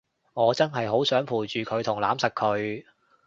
我真係好想陪住佢同攬實佢